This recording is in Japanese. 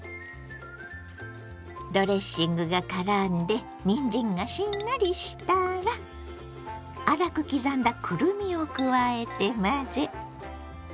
ドレッシングがからんでにんじんがしんなりしたら粗く刻んだくるみを加えて混ぜ。